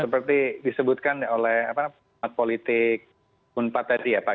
seperti disebutkan oleh politik unpateti ya pak